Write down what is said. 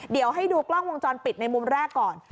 เดี๋ยวให้ดูกล้องวงจรปิดในมุมแรกก่อน